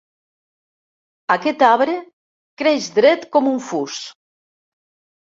Aquest arbre creix dret com un fus.